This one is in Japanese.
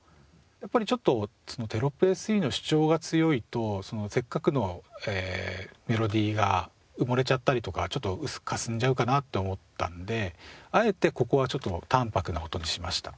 やっぱりちょっとテロップＳＥの主張が強いとせっかくのメロディーが埋もれちゃったりとかちょっとかすんじゃうかなって思ったのであえてここはちょっと淡泊な音にしました。